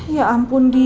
ya ampun din